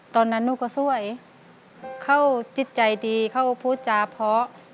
ตอนนั้นหนูก็สวยเข้าจิตใจดีเข้าพูดจาเพาะ